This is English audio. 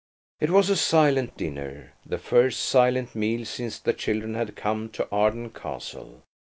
It was a silent dinner–the first silent meal since the children had come to Arden Castle.